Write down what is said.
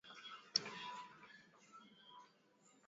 Kutokwa machozi kwa wanyama ni dalili ya ugonjwa wa homa ya mapafu